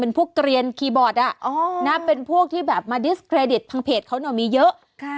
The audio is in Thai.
เป็นพวกเกลียนคีย์บอร์ดเป็นพวกที่แบบมาดิสเครดิตทางเพจเขามีเยอะ